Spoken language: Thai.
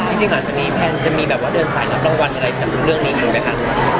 จริงหลังจากนี้แพนจะมีเดินสายนางบัตรอะไรจากเรื่องนี้คุณไหมคะ